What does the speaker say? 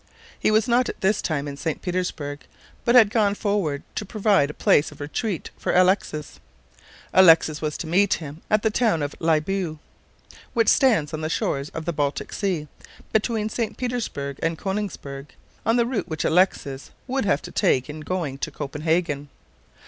He was not at this time in St. Petersburg, but had gone forward to provide a place of retreat for Alexis. Alexis was to meet him at the town of Libau, which stands on the shores of the Baltic Sea, between St. Petersburg and Konigsberg, on the route which Alexis would have to take in going to Copenhagen.